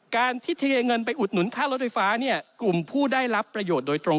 การที่เทเงินไปอุดหนุนค่ารถไฟฟ้าเนี่ยกลุ่มผู้ได้รับประโยชน์โดยตรง